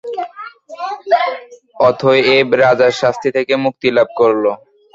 অতএব, রাজা শাস্তি থেকে মুক্তিলাভ করল।